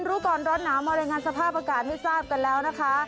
รู้ก่อนร้อนหนาวมารายงานสภาพอากาศให้ทราบกันแล้วนะคะ